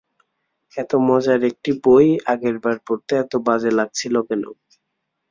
এত মজার একটি বই আগের বার পড়তে এত বাজে লাগছিল কেন?